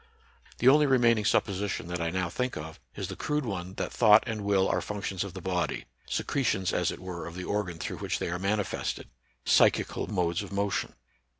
The only remaining supposition that I now think of is the crude one that thought and will are functions of the body, secretions as it were of the organ through which they are mani fested, " psychical modes of motion."